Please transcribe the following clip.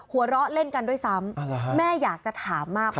หัวเราะเล่นกันด้วยซ้ำแม่อยากจะถามมาก